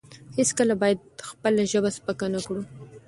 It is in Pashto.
هیڅکله باید خپله ژبه سپکه نه کړو.